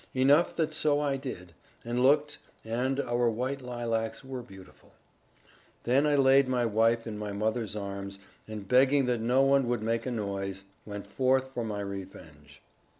Enough that so I did, and looked, and our white lilacs were beautiful. Then I laid my wife in my mother's arms, and begging that no one would make a noise, went forth for my revenge.